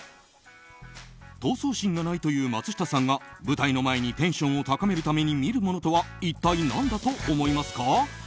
闘争心がないという松下さんが舞台の前にテンションを高めるために見るものとは一体何だと思いますか？